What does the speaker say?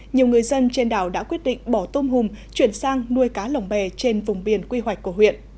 nhiều người dân trên đảo đã quyết định bỏ tôm hùm chuyển sang nuôi cá lồng bè trên vùng biển quy hoạch của huyện